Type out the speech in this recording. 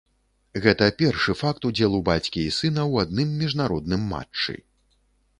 Гэта першы факт удзелу бацькі і сына ў адным міжнародным матчы.